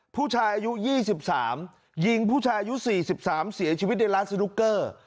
ผู้ชายอายุ๒๓ยิงผู้ชายอายุ๔๓เสียชีวิตในร้านสนุกเกอร์